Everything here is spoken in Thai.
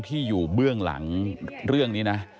ที่อยู่เบื้องหลังเรื่องนี้นะ